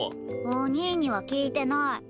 お兄には聞いてない。